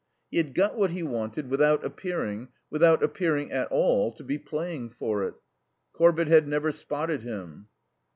He had got what he wanted without appearing without appearing at all to be playing for it. Corbett had never spotted him.